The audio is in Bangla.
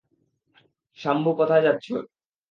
সাম্ভু কোথায় যাচ্ছ!